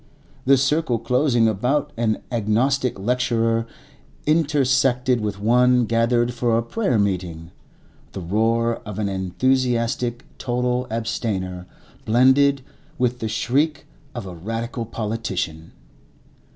The circle closing about an agnostic lecturer intersected with one gathered for a prayer meeting; the roar of an enthusiastic total abstainer blended with the shriek of a Radical politician.